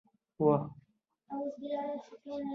که هر څو یو شعر له نهو او دیارلسو سېلابونو جوړ وي.